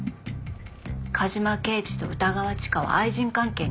「梶間刑事と歌川チカは愛人関係にあった」。